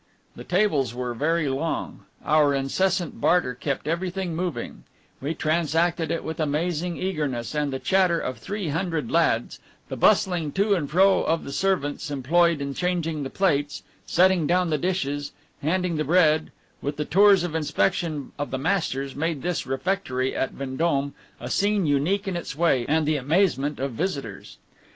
The tables were very long; our incessant barter kept everything moving; we transacted it with amazing eagerness; and the chatter of three hundred lads, the bustling to and fro of the servants employed in changing the plates, setting down the dishes, handing the bread, with the tours of inspection of the masters, made this refectory at Vendome a scene unique in its way, and the amazement of visitors.